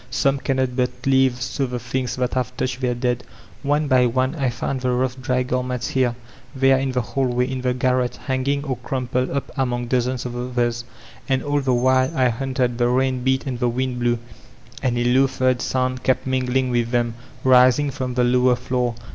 Some cannot but leave so the things that have touched their dead One by one I found the "rough dry*' garments, here, there, in the hall way, in the garret, hanging or crumpled up among dozens of others. And all the while I hunted, the rain beat and the wind blew, and a low third sound kept mingling with them, rising from the lower floor.